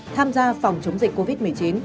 tham gia phòng chống dịch covid một mươi chín